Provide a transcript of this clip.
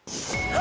あ！